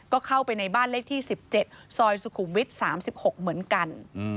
ก็เข้าไปในบ้านเลขที่๑๗ซอยสุขุมวิทย์๓๖เหมือนกัน